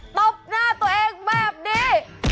ตบหน้าตัวเองมากดี